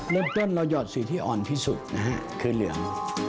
เริ่มต้นเราหอดสีที่อ่อนที่สุดนะฮะคือเหลือง